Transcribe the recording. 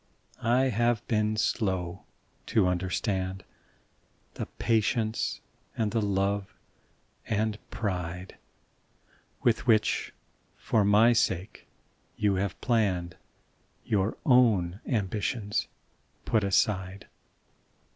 I have been slow to understand The patience and the love and pride "With which for my sake you have hour own ambitions put aside.